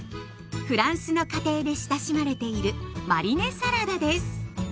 フランスの家庭で親しまれているマリネサラダです。